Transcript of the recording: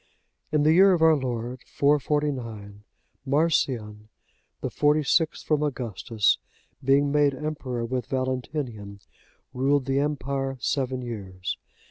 In the year of our Lord 449,(84) Marcian, the forty sixth from Augustus, being made emperor with Valentinian, ruled the empire seven years.